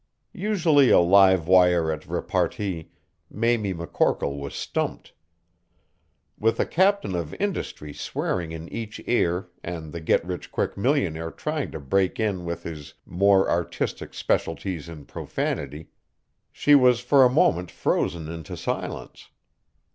Usually a live wire at repartee, Mamie McCorkle was stumped. With a captain of industry swearing in each ear and the get rich quick millionaire trying to break in with his more artistic specialties in profanity, she was for a moment frozen into silence.